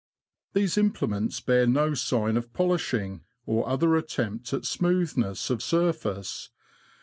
These implements bear no sign of polishing, or other attempt at smoothness of surface.